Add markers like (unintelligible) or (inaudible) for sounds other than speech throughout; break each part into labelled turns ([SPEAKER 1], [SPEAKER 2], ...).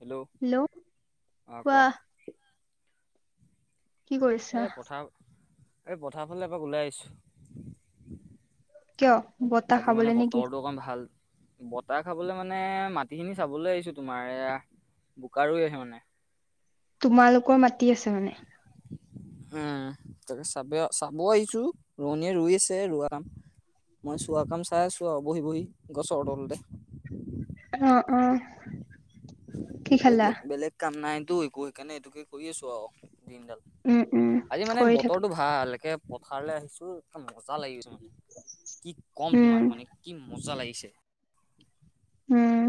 [SPEAKER 1] Hello
[SPEAKER 2] hello
[SPEAKER 1] অঁ কোৱা।
[SPEAKER 2] কি কৰিছা
[SPEAKER 1] এ পথাৰ, এই পথাৰ ফালে এপাক ওলাই আহিছো।
[SPEAKER 2] কিয়? বতাহ
[SPEAKER 1] আজি মানে
[SPEAKER 2] খাবলে নেকি
[SPEAKER 1] বতৰটো অকণমান ভাল। বতাহ খাবলে মানে মাটিখিনি চাবলৈ আহিছো তোমাৰ এয়া বোকাৰ ৰুই আছে মানে।
[SPEAKER 2] তোমালোকৰ মাটি আছে মানে?
[SPEAKER 1] হা, তাকে চাব চাব আহিছো ৰোৱনীয়ে ৰুই আছে ৰুৱা কাম। মই চোৱা কাম চাই আছো আও বহি বহি গছৰ তলতে।
[SPEAKER 2] অ অ। কি খালা
[SPEAKER 1] বেলেগ বেলেগ কাম নাইতো একো সেইকাৰণে এইটোকে কৰি আছো আও দিনডাল।
[SPEAKER 2] উম উম
[SPEAKER 1] আজি মানে
[SPEAKER 2] কৰি থাকে
[SPEAKER 1] বতৰটো ভাল একে পথাৰলৈ আহিছো এ মজা লাগি গৈছে মানে। কি কম
[SPEAKER 2] উম
[SPEAKER 1] তোমাক মানে কি মজা লাগিছে।
[SPEAKER 2] উম।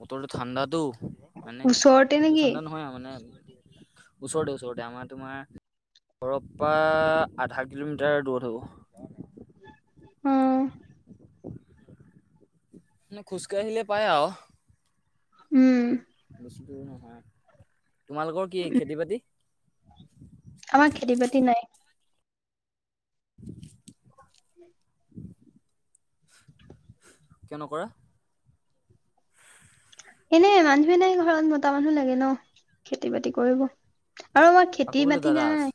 [SPEAKER 1] বতৰটো ঠাণ্ডাটো মানে
[SPEAKER 2] ওচৰতে
[SPEAKER 1] এইটো
[SPEAKER 2] নেকি
[SPEAKER 1] ঠাণ্ডা নহয় আও মানে। ওচৰতে ওচৰতে আমাৰ তোমাৰ - ঘৰপা আধা কিলোমিটাৰ দূৰত হ'ব।
[SPEAKER 2] উম।
[SPEAKER 1] মানে খোজকাঢ়িলে পায় আও।
[SPEAKER 2] উম।
[SPEAKER 1] বেছি দূৰ নহয়, তোমালোকৰ কি
[SPEAKER 2] উ
[SPEAKER 1] খেতি বাতি?
[SPEAKER 2] আমাৰ খেতি বাতি নাই।
[SPEAKER 1] কিয় নকৰা?
[SPEAKER 2] এনেই মানুহে নাই ঘৰত মতা মানুহ লাগে ন খেতি বাতি কৰিব। আৰু আমাৰ
[SPEAKER 1] আকৌ
[SPEAKER 2] খেতি
[SPEAKER 1] বোলে
[SPEAKER 2] মাটি
[SPEAKER 1] দাদা আছে
[SPEAKER 2] নাই।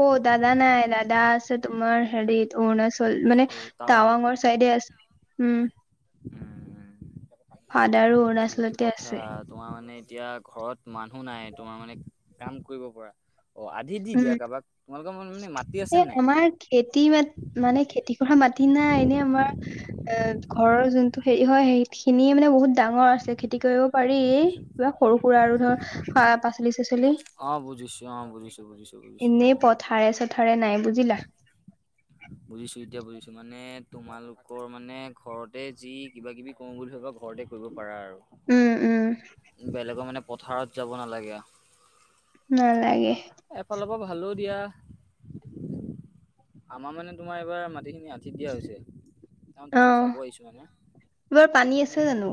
[SPEAKER 2] অ দাদা নাই দাদা আছে তোমাৰ হেৰিত - অৰুণাচল মানে
[SPEAKER 1] এই টাৱাং
[SPEAKER 2] টাৱাংৰ চাইডে আছে, উম।
[SPEAKER 1] উম উম,
[SPEAKER 2] ফাদাৰো
[SPEAKER 1] সেইটোৱে টো
[SPEAKER 2] অৰুণাচলতে
[SPEAKER 1] কথা।
[SPEAKER 2] আছে
[SPEAKER 1] তোমাৰ মানে এতিয়া ঘৰত মানুহ নাই তোমাৰ মানে কাম কৰিব পৰা। অ, আ - আন্ধি দি
[SPEAKER 2] উম
[SPEAKER 1] দিয়া কাৰবাক, তোমালোকৰ মা মানে মাটি
[SPEAKER 2] এই
[SPEAKER 1] আছে নাই?
[SPEAKER 2] আমাৰ খেতি মাটি মানে খেতি কৰা মাটি নাই এনেই আমাৰ - এ ঘৰৰ যোনটো হেৰি হয় সেই খিনিয়ে মানে বহুত ডাঙৰ আছে খেতি কৰিব পাৰি। কিবা সৰু সুৰা আৰু ধৰ
[SPEAKER 1] উম
[SPEAKER 2] খোৱা পাচলি চাচলি।
[SPEAKER 1] অ বুজিছোঁ, অ বুজিছোঁ বুজিছোঁ।
[SPEAKER 2] এনেই পথাৰে চথাৰে নাই বুজিলা?
[SPEAKER 1] বুজিছো এতিয়া বুজিছো মানে তোমালোকৰ মানে ঘৰতে যি কিবা কিবি - কৰো বুলি ভাবা ঘৰতে কৰিব পাৰা আৰু।
[SPEAKER 2] উম উম।
[SPEAKER 1] বেলেগৰ মানে পথাৰত যাব নালাগে আও।
[SPEAKER 2] নেলাগে।
[SPEAKER 1] এফালৰ পা ভালো দিয়া। আমাৰ মানে তোমাৰ এইবাৰ মাটিখিনি আন্ধিত দিয়া হৈছে তেওঁ
[SPEAKER 2] অ
[SPEAKER 1] তেওঁ চাব আহিছো মানে।
[SPEAKER 2] এইবাৰ পানী
[SPEAKER 1] উম
[SPEAKER 2] আছে জানো?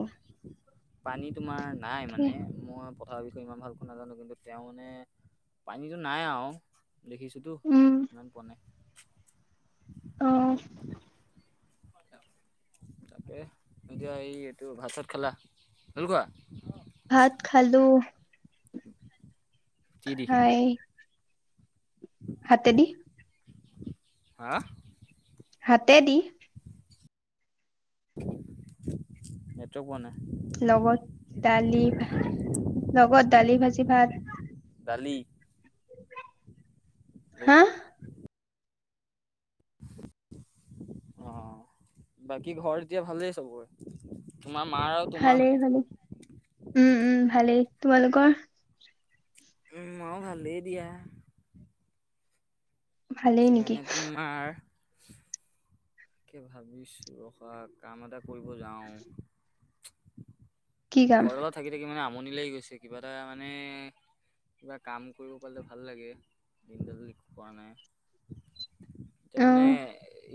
[SPEAKER 1] পানী তোমাৰ নাই
[SPEAKER 2] কি?
[SPEAKER 1] মানে মই পথাৰৰ বিষয়ে ইমান ভালকৈ নাজানো কিন্তু তেওঁ মানে পানীটো নাই আও। দেখিছোতো
[SPEAKER 2] উম
[SPEAKER 1] ইমান পোৱা নাই।
[SPEAKER 2] অ
[SPEAKER 1] তাকে এতিয়া এই এইটো ভাত চাত খালা আৰু কোৱা
[SPEAKER 2] ভাত খালো।
[SPEAKER 1] কি দি
[SPEAKER 2] খাই
[SPEAKER 1] (unintelligible)
[SPEAKER 2] হাতেদি
[SPEAKER 1] হা
[SPEAKER 2] হাতে দি
[SPEAKER 1] সেটো কোৱা নাই
[SPEAKER 2] লগত দালি লগত দালি ভাজি ভাত
[SPEAKER 1] দালি লৈ
[SPEAKER 2] হা
[SPEAKER 1] থোৱা অ বাকী ঘৰ এতিয়া ভালেই চবৰে? তোমাৰ মাৰ আৰু তোমাৰ
[SPEAKER 2] ভালেই
[SPEAKER 1] মানে
[SPEAKER 2] ভালেই উম উম ভালেই। তোমালোকৰ?
[SPEAKER 1] উম মও ভালেই দিয়া।
[SPEAKER 2] ভালেই
[SPEAKER 1] আজি
[SPEAKER 2] নেকি
[SPEAKER 1] মানে তোমাৰ তাকে ভাবিছোঁ ৰখা কাম এটা কৰিব যাওঁ
[SPEAKER 2] কি কাম
[SPEAKER 1] ঘৰত থাকি থাকি মানে আমনি লাগি গৈছে কিবা এটা মানে কিবা কাম কৰিব পাৰে ভাল লাগে (unintelligible) যদি খোৱা নাই এতিয়া মানে
[SPEAKER 2] আহ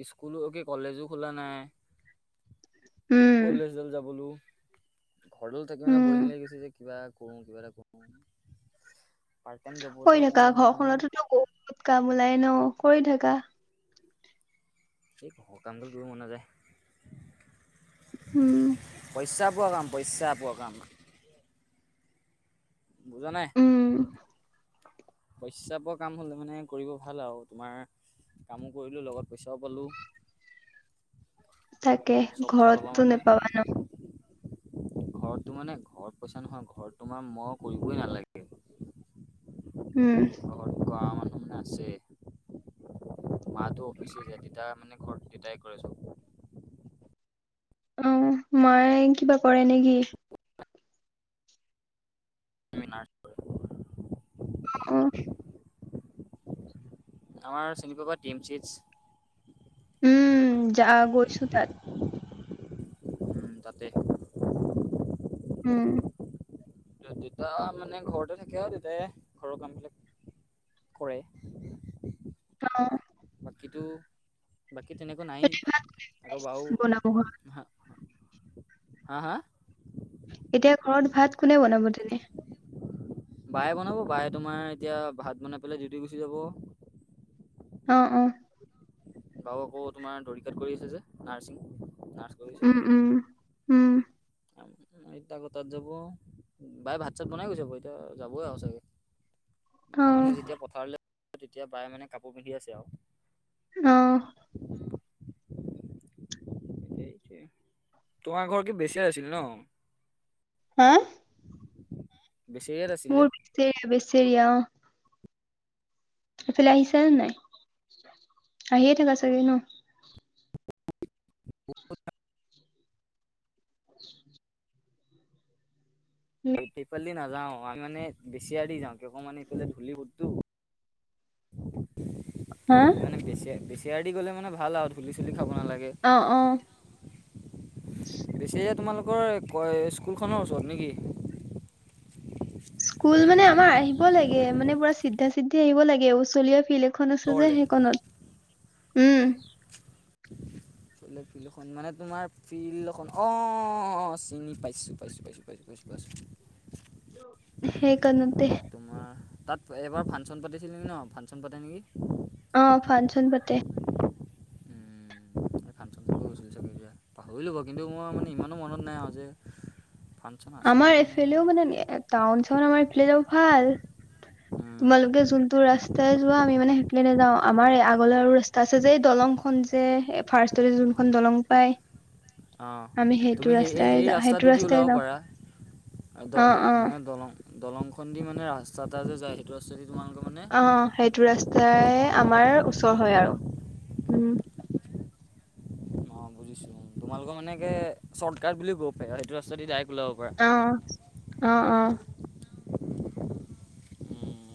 [SPEAKER 1] স্কুলো কি কলেজো খোলা নাই।
[SPEAKER 2] উম
[SPEAKER 1] কলেজল যাবলো ঘৰল থাকি মানে
[SPEAKER 2] উম
[SPEAKER 1] বৰিং লাগি গৈছে যে কিবা কৰোং কিবা এটা কৰোং পাৰ্ট টাইম জবতে সোমাব নোৱাৰা নহয়
[SPEAKER 2] ঘত কাম ওলাই ন কৰি থাকা
[SPEAKER 1] এ ঘৰকামটো কৰিব মন নাযায়
[SPEAKER 2] উম
[SPEAKER 1] পইচা পোৱা কাম পইচা পোৱা কাম বুজা নাই
[SPEAKER 2] উম
[SPEAKER 1] পইচা পোৱা কাম হলে মানে কৰিব ভাল আৰু তোমাৰ কামো কৰিলো, লগত পইচাও পালো।
[SPEAKER 2] তাকে
[SPEAKER 1] চব ফালৰ পৰা
[SPEAKER 2] ঘৰতটো
[SPEAKER 1] মানে
[SPEAKER 2] নেপাবা নহ
[SPEAKER 1] ঘৰতটো মানে ঘৰত পইচা নহয় ঘৰত তোমাৰ মই কৰিবই নালাগে।
[SPEAKER 2] উম
[SPEAKER 1] ঘৰত কৰা মানুহনা আছে। মাতো অফিচে যায়, দেতা মানে ঘৰত দেতাই কৰে চব।
[SPEAKER 2] উম, মায়ে কিবা কৰে নেকি?
[SPEAKER 1] (unintelligible)
[SPEAKER 2] অ' উ
[SPEAKER 1] আমাৰ চিনি পাবা টি এম চি এইচ।
[SPEAKER 2] উম, যা গৈছো তাত।
[SPEAKER 1] উম, তাতে।
[SPEAKER 2] উম।
[SPEAKER 1] দেউতা মানে ঘৰতে থাকে আৰু দেউতাই ঘৰৰ কাম বিলাক কৰে
[SPEAKER 2] আমাও
[SPEAKER 1] কিন্তু বাকী তেনেকুৱা নাই আকৌ বাও
[SPEAKER 2] বনাব ঘৰত
[SPEAKER 1] হা হা
[SPEAKER 2] এতিয়া ঘৰত ভাত কোনে বনাব তেনে?
[SPEAKER 1] বায়ে বনাব বায়ে তোমাৰ এতিয়া ভাত বনাই পেলাই ডিউটি গুচি যাব।
[SPEAKER 2] অ' অ'।
[SPEAKER 1] বাও আকৌ তোমাৰ দৰিকাত কৰি আছে যে নাৰ্ছিং নাৰ্ছ কৰি
[SPEAKER 2] উম, উম।
[SPEAKER 1] এতিয়া আকৌ তাত যাব। বাই ভাত চাত বনাই গৈছে ব এতিয়া যাবই আৰু চাগে।
[SPEAKER 2] অ
[SPEAKER 1] মই মানে যেতিয়া পথাৰলৈ তেতিয়া বায়ে মানে কাপোৰ পিন্ধি আছে আৰু।
[SPEAKER 2] অ'।
[SPEAKER 1] সেইটোৱেই, ‌তোমাৰ ঘৰ কি বেছি আছিল ন?
[SPEAKER 2] হা?
[SPEAKER 1] বেছেৰিয়াত আছিলে
[SPEAKER 2] মোৰ বেচেৰিয়া বেচেৰিয়া অ'। এইফালে আহিছা নে নাই আহিয়ে থাকা চাগে ন?
[SPEAKER 1] (unintelligible)
[SPEAKER 2] (unintelligible)
[SPEAKER 1] এইফালে নাযাও আমি মানে বেছি আৰি যাওঁ কেক মানে ইফালে ধূলি বহুততো। (inaudible)
[SPEAKER 2] হা?
[SPEAKER 1] আমি মানে বেচি বেচিয়াৰ দি গ'লে মানে ভাল আৰু ধূুলি চুলি খাব নালাগে।
[SPEAKER 2] অ' অ'।
[SPEAKER 1] বেচেৰিয়া তোমালোকৰ ক স্কুলখনৰ ওচৰত নেকি?
[SPEAKER 2] স্কুল মানে আমাৰ আহিব লাগে মানে পুৰা চিধা চিধি আহিব লাগে উচলীয়া ফিল খন আছে যে
[SPEAKER 1] ওচৰতে
[SPEAKER 2] সেইখনত, উম।
[SPEAKER 1] ফিল্ডখন মানে তোমাৰ ফিল্ড এখন অ', চিনি পাইছোঁ পাইছোঁ পাইছো পাইছো। বছ বছ।
[SPEAKER 2] সেইখনতে
[SPEAKER 1] তোমাৰ তাত এবাৰ ফাংচন পাতিছিলে নেকি ন ফাংচন পাতে নেকি?
[SPEAKER 2] অ ফাংচন পাতে।
[SPEAKER 1] পাহৰিলো বাৰু কিন্তু মই মানে ইমানো মনত নাই আৰু যে আছেনে
[SPEAKER 2] আমাৰ
[SPEAKER 1] নাই
[SPEAKER 2] এইফালেও মানে টাউন চাউন আমাৰ এইফালে যাব ভাল।
[SPEAKER 1] উম,
[SPEAKER 2] তোমালোকে যোনটো ৰাস্ত তাই যোৱা আমি মানে সেইফালে নাযাওঁ আমাৰ আগলৈ আৰু ৰাস্তা আছে যে এই দলংখন যে ফাৰ্ষ্টতে য এখন দলং পায়।
[SPEAKER 1] অ' তুমি সেই সেই
[SPEAKER 2] যাওঁ সেইটো
[SPEAKER 1] ৰাস্তাটোদি
[SPEAKER 2] ৰাস্তাই
[SPEAKER 1] ওলাব
[SPEAKER 2] যাওঁ
[SPEAKER 1] পাৰা। দ
[SPEAKER 2] অ', অ',
[SPEAKER 1] মানে দলং দলং খন দি মানে ৰাস্তা এটা যে যায়। টো ৰাস্তাইদি তোমালোকৰ মানে
[SPEAKER 2] অ সেইটো
[SPEAKER 1] তাত
[SPEAKER 2] ৰাস্তাই
[SPEAKER 1] সোমাব পাৰা
[SPEAKER 2] আমাৰ ওচৰ
[SPEAKER 1] ন
[SPEAKER 2] হয় আৰু, উম।
[SPEAKER 1] বুজিছো তোমালোকৰ মানে কে শ্বটকাট বুলি কৈ পাৰি আৰু সেইটো ৰাস্তা দি ডাইৰেক্ট ওলাব পাৰে।
[SPEAKER 2] অ', অ', অ'।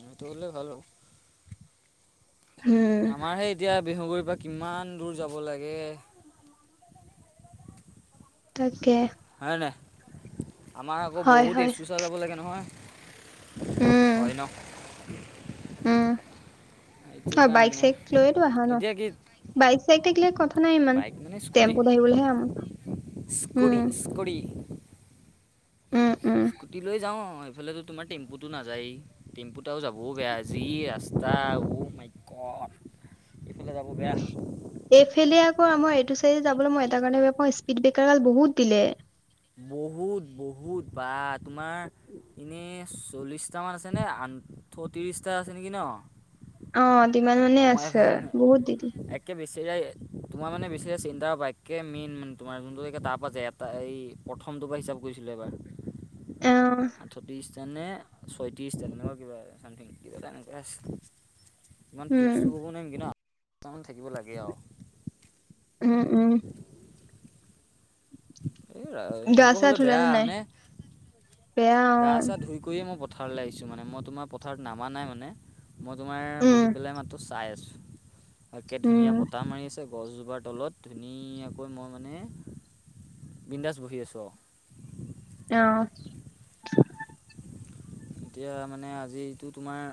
[SPEAKER 1] সেটো হ'লে ভাল হ'ব।
[SPEAKER 2] উম,
[SPEAKER 1] আমাৰহে এতিয়া বিহগুৰিৰ পৰা কিমান দূৰ যাব লাগে।
[SPEAKER 2] তাকে।
[SPEAKER 1] হয় নাই আমাৰ আকৌ
[SPEAKER 2] হয়
[SPEAKER 1] বহুত
[SPEAKER 2] হয়
[SPEAKER 1] এচুচা যাব লাগে নহয়।
[SPEAKER 2] উম
[SPEAKER 1] হয় ন।
[SPEAKER 2] উম,
[SPEAKER 1] সেইটো
[SPEAKER 2] অ', বাইক
[SPEAKER 1] কাৰণে
[SPEAKER 2] চাইক লৈয়তো আহা ন।
[SPEAKER 1] এতিয়া কি
[SPEAKER 2] বাইক চাইক থাকিলা কথা নাই ইমান টেম্পুত আহিবলৈ আমাৰ
[SPEAKER 1] স্কুৰি
[SPEAKER 2] উম
[SPEAKER 1] স্কুৰি।
[SPEAKER 2] উম উম
[SPEAKER 1] স্কুটি লৈ যাওঁ এইফালেতো তোমাৰ টেম্পুটো নাযায়েই। টিম্পুতটাও যাব বেয়া যি ৰাস্তা ও মাই গ'ড। এইফালে যাব বেয়া।
[SPEAKER 2] এইফালে আকৌ আমাৰ এইটো চাইডে যাবলৈ মই এটাৰ কাৰণে বেয়া পাওঁ স্পীড ব্ৰেকাৰ গাল বহুত দিলে।
[SPEAKER 1] বহুত, বহুত বা তোমাৰ এনেই চল্লিছ দুটামান আছেনে আনঠো ত্ৰিছটা আছে নেকি ন।
[SPEAKER 2] অ', মান, মানে আছে বহুত দিল।
[SPEAKER 1] তেকেছি তোমাৰ মানে বেছি চিন্তা একে মেইন তোমাৰ যোনটো তাপ আছে ইয়াত এই প্ৰথমটোৰ পৰা হিচাপ কৰিছিলোঁ এবাৰ
[SPEAKER 2] অ
[SPEAKER 1] আঠত্ৰিছ নে ছয়ত্ৰিশ তেনেকুৱা কিবা চামথিং কিবা তেনেকুৱ আ ইমান
[SPEAKER 2] উম
[SPEAKER 1] (unintelligible) কিন্তু দুটামান থাকিব লাগে আৰু।
[SPEAKER 2] উম, উম।
[SPEAKER 1] এ
[SPEAKER 2] গা
[SPEAKER 1] এনেকুৱা
[SPEAKER 2] চা
[SPEAKER 1] হলে
[SPEAKER 2] ধুলা
[SPEAKER 1] বেয়া
[SPEAKER 2] নে নাই
[SPEAKER 1] হয়নে।
[SPEAKER 2] বেয়া অ
[SPEAKER 1] গা চা ধুই কৰিয়ে মই পথাৰলৈ আহিছোঁ মানে মই তোমাৰ পথাৰত নামা নাই মানে মই তোমাৰ
[SPEAKER 2] উম
[SPEAKER 1] বহি পেলাই মাতটো চাই আছোঁ একে
[SPEAKER 2] উম
[SPEAKER 1] ধুনীয়া বতাহ মাৰি গছজোপাৰ তলত ধুনীয়াকৈ মই মানে বিন্দাজ বহি আছোঁ আৰু।
[SPEAKER 2] অ'।
[SPEAKER 1] এতিয়া মানে আজি তোমাৰ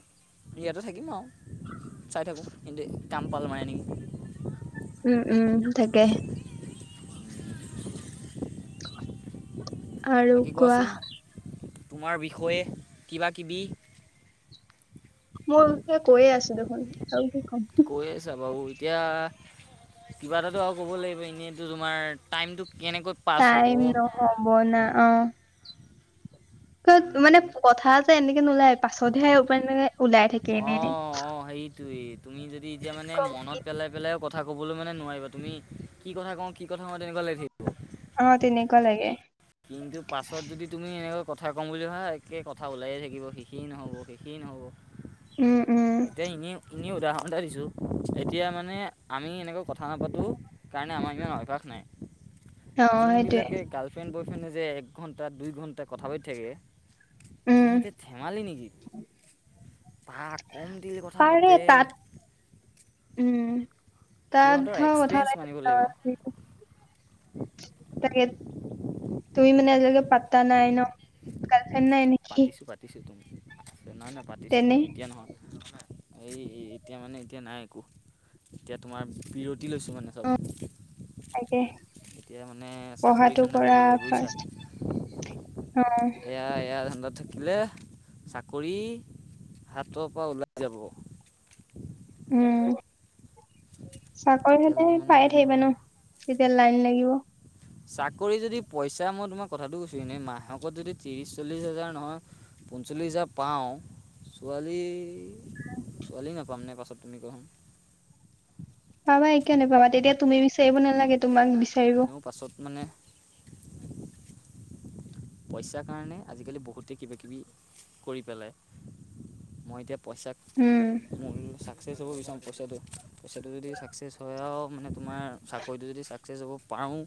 [SPEAKER 1] ইয়াতে থাকিম আৰু। চাই থাকো এন্তে কামম্পাল মাৰে নেকি।
[SPEAKER 2] উম, উম তাকে। (unintelligible)
[SPEAKER 1] বাকী
[SPEAKER 2] কোৱা
[SPEAKER 1] কোৱাচোন তোমাৰ বিষয়ে কিবা-কিবি।
[SPEAKER 2] মোৰ বিষয়ে কৈ আছোঁ দেখোন আৰু কি ক'ম।
[SPEAKER 1] কৈ আছা বাৰু এতিয়া কিবা এটাটো আৰু ক'ব লাগিব এনেইতো তোমাৰ টাইমটো কেনেকৈ পাছ হ'ব
[SPEAKER 2] টাইম নহ'ব না অ'।
[SPEAKER 1] টাইম নহ'ব
[SPEAKER 2] মানে কথা যে এনেকে নোলায় পাছতহে এ ওলাই থাকে এনে এনেই।
[SPEAKER 1] ধেই তুমি যদি এতিয়া মানে মনত পেলাই পেলাই কথা কবলৈ মানে নোৱাৰিবা তুমি কি কথা কওঁ কি কথা কওঁ তেনেকুৱা লাগিব।
[SPEAKER 2] অ', তেনেকুৱা লাগে।
[SPEAKER 1] কিন্তু পাছত যদি তুমি এনেকৈ কথা ক'ম বুলি ভা একে কথা ওলায়ে থাকিব শেষয়েই নহ'ব শেষয়েই নহ'ব।
[SPEAKER 2] উম, উম।
[SPEAKER 1] এতিয়া এনেই এনেই উদাহৰণ এটা দিছোঁ এতিয়া মানে আমি এনেকৈ কথা নাপাতোঁ কাৰণে আমাৰ ইমান অভ্যাস নাই।
[SPEAKER 2] অ', সেইটোয়ে
[SPEAKER 1] যোনবিলাকে গাৰ্লফ্ৰেণ্ড বয়ফ্ৰেণ্ডে যে এক ঘণ্টা দুই ঘণ্টা কথা পাতি থাকে
[SPEAKER 2] উম,
[SPEAKER 1] ইিনতে ধেমালি নেকি পাহ ক'ম দিলে কথা
[SPEAKER 2] পাৰে
[SPEAKER 1] পাতে।
[SPEAKER 2] তাত উম তাত
[SPEAKER 1] সিহঁতৰ
[SPEAKER 2] ধৰ কথা
[SPEAKER 1] এক্সপিৰিয়েঞ্চ মানিব লাগিব
[SPEAKER 2] এটা-
[SPEAKER 1] (unintelligible)
[SPEAKER 2] তাকে, তুমি মানে আজিলৈকে পাতা নাই ন। গাৰ্লফ্ৰেণ্ড নাই নেকি
[SPEAKER 1] পাতিছোঁ পাতিছোঁ তুমি নহয় নহয় পাতিছোঁ
[SPEAKER 2] তেনে
[SPEAKER 1] ময় এতিয়া নহয়। এই ইতিয়া মানে ইতিয়া নাই একো। এতিয়া তোমাৰ বিৰতি লৈছো মানে চব।
[SPEAKER 2] তাকে।
[SPEAKER 1] এতিয়া মানে চাকৰি
[SPEAKER 2] পঢ়াটো
[SPEAKER 1] ধানণ্ডা
[SPEAKER 2] কৰা
[SPEAKER 1] কৰিব লাগিব বুইছা।
[SPEAKER 2] ফাৰ্ষ্ট অ',
[SPEAKER 1] এয়া এয়া ধান্দাত থাকি- লে চাকৰি হাতৰ পৰা ওলাই যাব।
[SPEAKER 2] উম' চাকৰি
[SPEAKER 1] তেতিয়ালৈকে
[SPEAKER 2] হদায়
[SPEAKER 1] মানে
[SPEAKER 2] পায়ে
[SPEAKER 1] মোৰ
[SPEAKER 2] থাকিবা ন। তেতিয়া লাইন লাগিব।
[SPEAKER 1] চাকৰি যদি পইচা মই তোমাক কথাটো কৈছো এনে মাহেকত যদি ত্ৰিশ চল্লিশ হাজাৰ নহয়- পঞ্চল্লিছ হাজাৰ পাওঁ- ছোৱালী ছোৱালী নাপাম নে পাছত তুমি কোৱাছোন।
[SPEAKER 2] পাবা একে কিয় নেপাবা তেতিয়া তুমি বিচাৰিব নালাগে তোমাক দিছ-
[SPEAKER 1] এনেও পাছত মানে- পইচাৰ কাৰণে আজিকালি বহুতে কিবা কিবি কৰি পেলাই মই এতিয়া- পইচাক মোয়ো চাক। চাকচেছ হ'ব বিচাৰোঁ পইচাটো পইচাটো যদি চাকচেছ হয় আও মানে তোমাৰ চাকৰিটো যদি চাক- চেজ হ'ব পাৰোঁ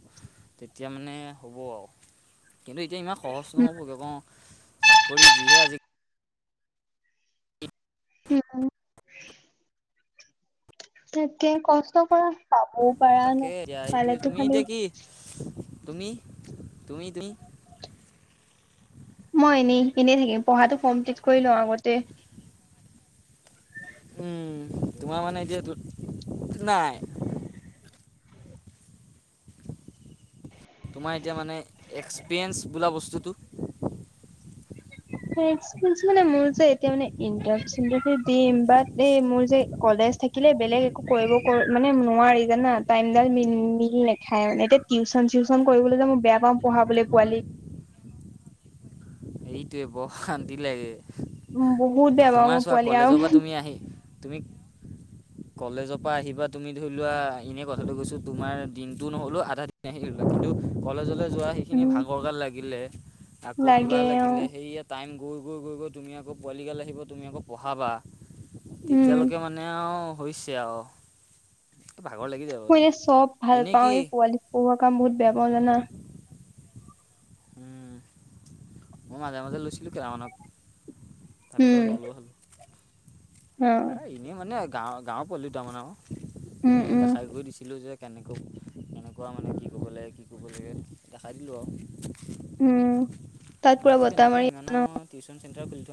[SPEAKER 1] তেতিয়া মানে হ'ব আও। এতিয়া ইমান সহজ নহ'বগে অঁ চাকৰি যিহে আজি-
[SPEAKER 2] টি উম- তাকে কষ্ট কৰা পাবও
[SPEAKER 1] উম,
[SPEAKER 2] পাৰা
[SPEAKER 1] তাকে
[SPEAKER 2] ন
[SPEAKER 1] এতিয়া এইটোৱে
[SPEAKER 2] পালেতো
[SPEAKER 1] তুমি এতিয়া
[SPEAKER 2] খালি-
[SPEAKER 1] কি তুমি তুমি তুমি-
[SPEAKER 2] মই এনেই এনেই থাকিম পঢ়াটো কমপ্লিট কৰি লওঁ আগতে।
[SPEAKER 1] উম তোমাৰ মানে এতিয়া তোত তো নাই। তোমাৰ এতিয়া মানে এক্সপেৰিয়েঞ্চ বোলা বস্তুটো-
[SPEAKER 2] একপিছ মানে মোৰ যে এতিয়া মানে ইণ্টাণছিপ টোজে দিম এই মোৰ যে- কলেজ থাকিলে বেলেগ একো কৰিব মানে নোৱাৰি জানা টাইমডাল নি মিল নাখায় আও নেতেত- টিউচন চিউচন কৰিবলৈ যে মই বেয়া পাওঁ পোৱালিক-
[SPEAKER 1] এইটোৱে বৰ শান্তি লাগে
[SPEAKER 2] উম বহুত বেয়া পাওঁ
[SPEAKER 1] তোমাৰ
[SPEAKER 2] মই
[SPEAKER 1] চোৱা
[SPEAKER 2] পোৱালি আৰু
[SPEAKER 1] কলেজৰ পৰা তুমি আহি- তুমি- কলেজৰ পা আহিবা তুমি ধৰি লোৱা এনে কথাটো গৈছো তোমাৰ দিনতটো নহলো আধাত- কিন্তু, কলেজলৈ যোৱা সেইখিনি
[SPEAKER 2] উম
[SPEAKER 1] ভাগৰ গাল লাগিলে আকৌ কিবা
[SPEAKER 2] লাগে
[SPEAKER 1] লাগি-
[SPEAKER 2] অ
[SPEAKER 1] এইয়ে টাইম গৈ গৈ গৈ গৈ তুমি আকৌ পোৱালিগাল আহিব তুমি আকৌ পঢ়াবা।
[SPEAKER 2] উম
[SPEAKER 1] তেতিয়ালৈকে মানে আও হৈছে আও ভাগৰ লাগি যায়।
[SPEAKER 2] ময় যে চব ভাল পাওঁ এই পোৱালি পঢ়োৱা কাম বহুত বেয়া পাওঁ জানা।
[SPEAKER 1] উম ম মাজে মাজে লৈছিলো কেতামানক। তাপিছত
[SPEAKER 2] উম
[SPEAKER 1] নলোও হ'লো।
[SPEAKER 2] অ
[SPEAKER 1] এ এনেই মানে গাঁৱ গাওৰ পোৱালি দুটামান আও
[SPEAKER 2] উম
[SPEAKER 1] এনেই
[SPEAKER 2] উম
[SPEAKER 1] দেখাই গৈ দিছিলো যে- কেনেকৈ কেনেকুৱা মানে কি ক'ব লাগে কি ক'ব লাগে দেখাই দিলোঁ আও।
[SPEAKER 2] উম' তাত পুৰা
[SPEAKER 1] বাকী
[SPEAKER 2] বতাহ
[SPEAKER 1] তেনেকুৱা
[SPEAKER 2] মাৰি
[SPEAKER 1] ইমান
[SPEAKER 2] আছে ন?
[SPEAKER 1] আও টিউচন চেণ্টাৰ খুলি থোৱা না-